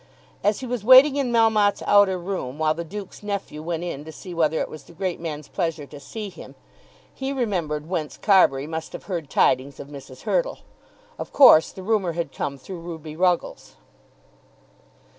As he was waiting in Melmotte's outer room while the Duke's nephew went in to see whether it was the great man's pleasure to see him, he remembered whence Carbury must have heard tidings of Mrs. Hurtle. Of course the rumour had come through Ruby Ruggles.